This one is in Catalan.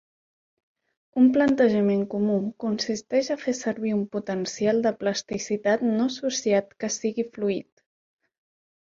Un plantejament comú consisteix a fer servir un potencial de plasticitat no associat que sigui fluid.